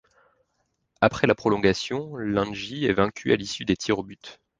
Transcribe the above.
Après la prolongation, l'Anji est vaincu à l'issue des tirs au but.